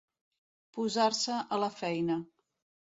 Posar-se a la feina.